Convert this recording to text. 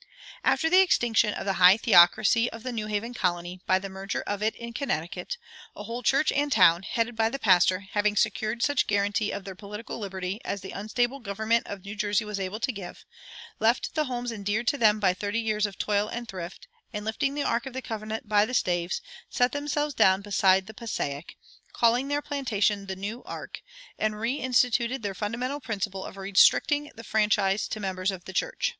"[109:1] After the extinction of the high theocracy of the New Haven Colony by the merger of it in Connecticut, a whole church and town, headed by the pastor, having secured such guaranty of their political liberty as the unstable government of New Jersey was able to give, left the homes endeared to them by thirty years of toil and thrift, and lifting the ark of the covenant by the staves, set themselves down beside the Passaic, calling their plantation the New Ark, and reinstituted their fundamental principle of restricting the franchise to members of the church.